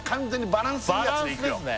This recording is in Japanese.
バランスですね